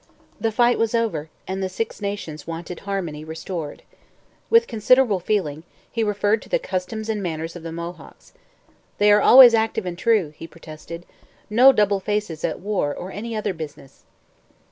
The fight was over, and the Six Nations wanted harmony restored. With considerable feeling, he referred to the 'customs and manners of the Mohawks.' 'They are always active and true,' he protested; 'no double faces at war or any other business.